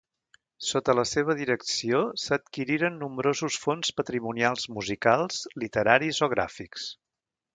Sota la seva direcció s'adquiriren nombrosos fons patrimonials musicals, literaris o gràfics.